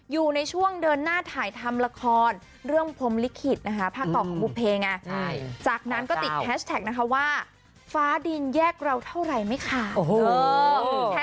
อยู่ในช่วงเดินหน้าถ่ายทำละครเรื่องพรมลิขิตนะคะภาคต่อของบุเพไงจากนั้นก็ติดแฮชแท็กนะคะว่าฟ้าดินแยกเราเท่าไหร่ไหมคะ